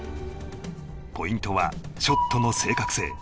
ポイントは、ショットの正確性。